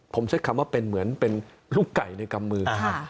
ผมใช้คำว่าเป็นเหมือนเป็นลูกไก่ในกำมือ